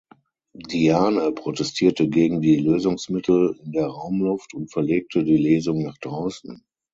Diane protestierte gegen die Lösungsmittel in der Raumluft und verlegte die Lesung nach draußen.